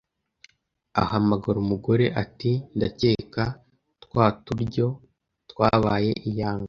ahamagara umugore ati ndakeka twa turyo twabaye iyanga,